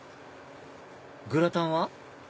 グラタンは？